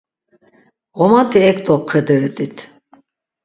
Ğomanti ek dopxederet̆it.